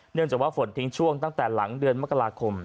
เนื่องจากว่าฝนทิ้งช่วงตั้งแต่หลังเดือนมกราคม